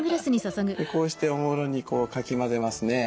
こうしておもむろにかき混ぜますね。